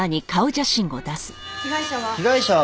被害者は。